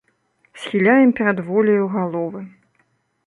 Схіляем перад воляю галовы.